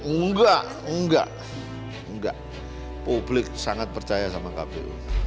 enggak enggak enggak publik sangat percaya sama kpu